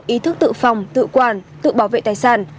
ý thức tự phòng tự quản tự bảo vệ tài sản